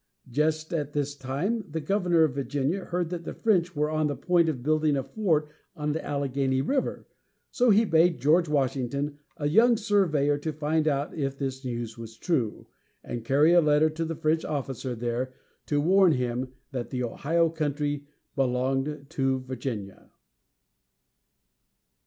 Just at this time, the governor of Virginia heard that the French were on the point of building a fort on the Allegheny River, so he bade George Washington, a young surveyor, find out if this news was true, and carry a letter to the French officer there to warn him that the Ohio country belonged to Virginia.